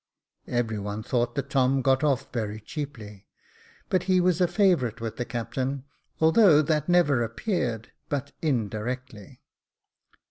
Every one thought that Tom got off very cheaply ; but he was a favourite with the captain, although that never appeared but indirectly.